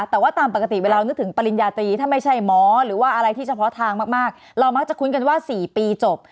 แต่ว่าตามปกติเวลานึกถึงปริญญาตรีถ้าไม่ใช่หมอหรือว่าอะไรที่เฉพาะทางมากเรามักจะคุ้นกันว่า๔ปีจบ